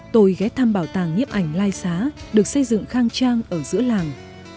tôi ghé thăm bảo tàng nhiếp ảnh lai xá được xây dựng khang trang ở giữa làng